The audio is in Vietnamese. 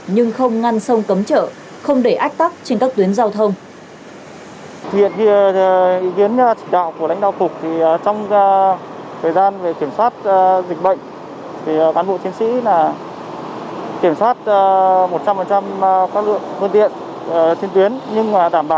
nhưng không ngăn sông cấm chở không để ách tắc trên các tuyến giao thông